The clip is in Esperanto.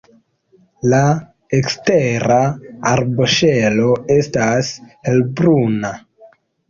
La ekstera arboŝelo estas helbruna.